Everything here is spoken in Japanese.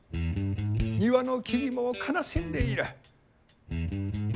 庭の桐も悲しんでいる。